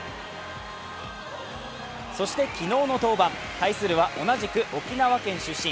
そして昨日の登板、対するは同じく沖縄県出身